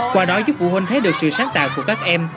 qua đó giúp phụ huynh thấy được sự sáng tạo của các em